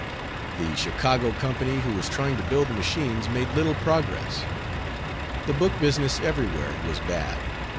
The Chicago company who was trying to build the machines made little progress. The book business everywhere was bad.